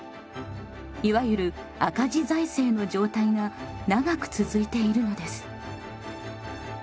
いわゆる赤字財政の状態が長く続いているのです。